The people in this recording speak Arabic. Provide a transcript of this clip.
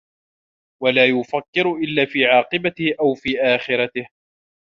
وَلَا يُفَكِّرُ إلَّا فِي عَاقِبَتِهِ أَوْ فِي آخِرَتِهِ